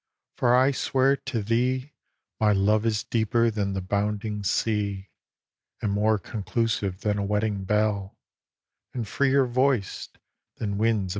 For I swear to thee My love is deeper than the bounding sea, And more conclusive than a wedding bell, And freer voiced than winds upon the lea.